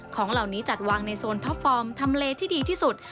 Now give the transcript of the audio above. ของเหล่านี้จัดวางในโซนท็อปฟอร์มทำเลที่ดีที่สุด